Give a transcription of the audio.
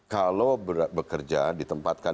kalau bekerja di tempat itu